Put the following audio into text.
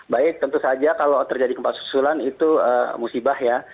baik tentu saja kalau terjadi gempa susulan itu musibah ya